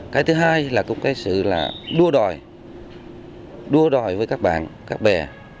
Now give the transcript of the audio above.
cái thứ hai là cũng cái sự là đua đòi đua đòi với các bạn các bè